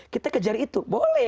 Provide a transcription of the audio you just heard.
kita kejar itu boleh